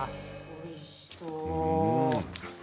おいしそう。